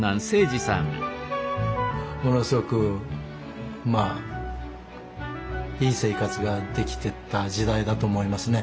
ものすごくまあいい生活ができてた時代だと思いますね。